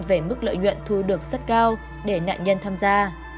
về mức lợi nhuận thu được rất cao để nạn nhân tham gia